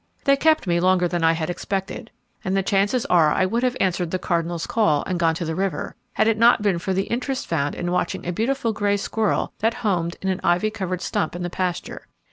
They kept me longer than I had expected, and the chances are I would have answered the cardinal's call, and gone to the river, had it not been for the interest found in watching a beautiful grey squirrel that homed in an ivy covered stump in the pasture.